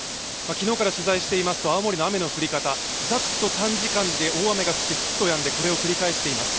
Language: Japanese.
昨日から取材していますと青森の雨の降り方、ざっと短時間で大雨が降ってすっとやんで、これを繰り返しています。